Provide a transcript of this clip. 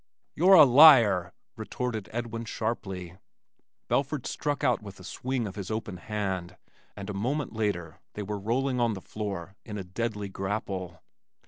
"You're a liar!" retorted Edwin sharply. Belford struck out with a swing of his open hand, and a moment later they were rolling on the floor in a deadly grapple.